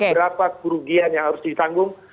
berapa kerugian yang harus ditanggung